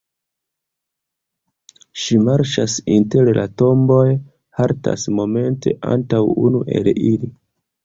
Ŝi marŝas inter la tomboj, haltas momente antaŭ unu el ili.